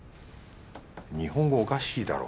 日本語おかしいだろ。